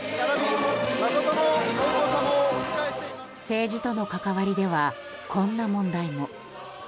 政治との関わりではこんな問題も。